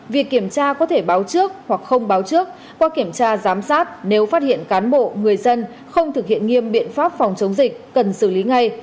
việc kiểm tra có thể báo trước hoặc không báo trước qua kiểm tra giám sát nếu phát hiện cán bộ người dân không thực hiện nghiêm biện pháp phòng chống dịch cần xử lý ngay